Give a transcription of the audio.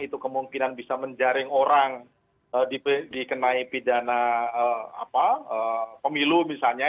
itu kemungkinan bisa menjaring orang dikenai pidana pemilu misalnya